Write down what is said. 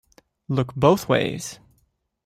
Look both ways.